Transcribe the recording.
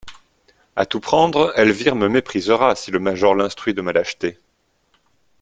A tout prendre, Elvire me méprisera si le major l'instruit de ma lâcheté.